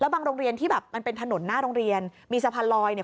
บางโรงเรียนที่แบบมันเป็นถนนหน้าโรงเรียนมีสะพานลอยเนี่ย